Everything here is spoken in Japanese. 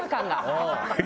うん。